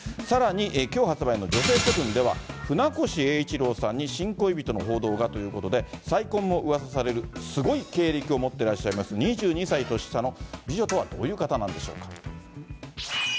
さらにきょう発売の女性セブンで、船越英一郎さんに新恋人の報道がということで、再婚もうわさされるすごい経歴を持ってらっしゃいます、２２歳年下の美女とはどういう方なんでしょうか。